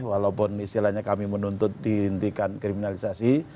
walaupun istilahnya kami menuntut dihentikan kriminalisasi